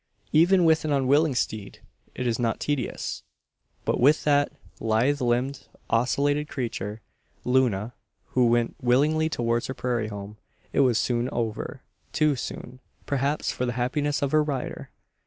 Even with an unwilling steed it is not tedious; but with that lithe limbed, ocellated creature, Luna, who went willingly towards her prairie home, it was soon over too soon, perhaps, for the happiness of her rider.